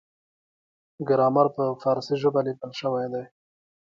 ګرامر په پارسي ژبه لیکل شوی دی.